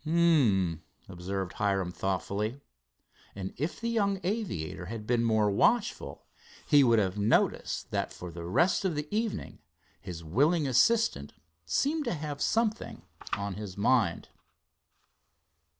"Um m," observed Hiram thoughtfully, and, if the young aviator had been more watchful, he would have noticed that for the rest of the evening his willing assistant seemed to have something on his mind.